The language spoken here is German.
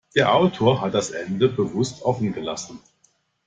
Der Autor hat das Ende bewusst offen gelassen.